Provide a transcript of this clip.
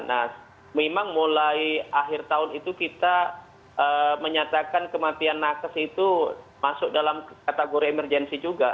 nah memang mulai akhir tahun itu kita menyatakan kematian nakes itu masuk dalam kategori emergensi juga